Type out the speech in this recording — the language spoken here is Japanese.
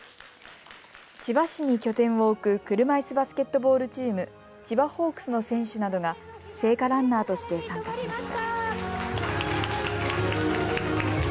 千葉市に拠点を置く車いすバスケットボールチーム、千葉ホークスの選手などが聖火ランナーとして参加しました。